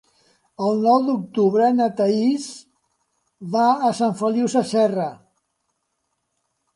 El nou d'octubre na Thaís va a Sant Feliu Sasserra.